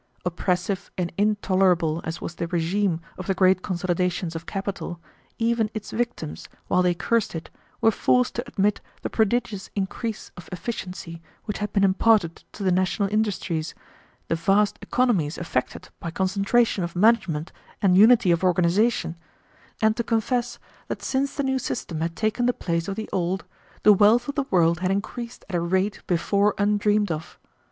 Oppressive and intolerable as was the regime of the great consolidations of capital, even its victims, while they cursed it, were forced to admit the prodigious increase of efficiency which had been imparted to the national industries, the vast economies effected by concentration of management and unity of organization, and to confess that since the new system had taken the place of the old the wealth of the world had increased at a rate before undreamed of.